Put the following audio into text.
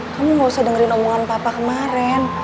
kamu gak usah dengerin omongan papa kemarin